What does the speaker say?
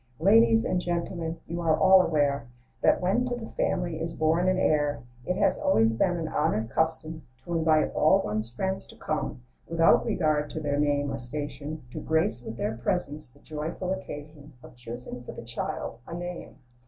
27 " Ladies and gentlemen, you are all aware That, when to the family is born an heir, It has always been an honored custom, To invite all one's friends to come, Without regard to their name or station, To grace with their presence the joyful occasion Of choosing for the child a name.